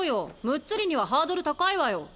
ムッツリにはハードル高いわよ。